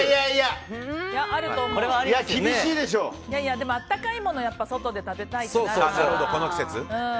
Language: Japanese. でも温かいものは外で食べたいから。